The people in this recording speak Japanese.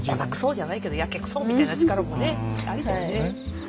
じゃないけどやけくそみたいな力もあるからね。